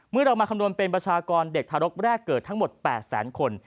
เรามาคำนวณเป็นประชากรเด็กทารกแรกเกิดทั้งหมด๘แสนคน